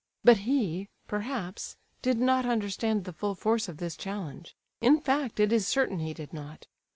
But he, perhaps, did not understand the full force of this challenge; in fact, it is certain he did not.